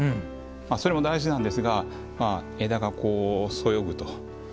それも大事ですが枝がそよぐと。